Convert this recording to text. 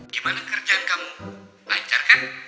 gimana kerjaan kamu lancar kan